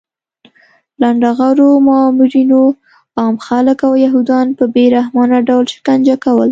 لنډغرو مامورینو عام خلک او یهودان په بې رحمانه ډول شکنجه کول